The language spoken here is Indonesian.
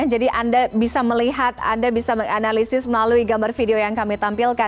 jadi anda bisa melihat anda bisa menganalisis melalui gambar video yang kami tampilkan